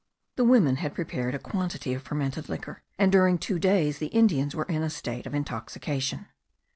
The women had prepared a quantity of fermented liquor; and during two days the Indians were in a state of intoxication.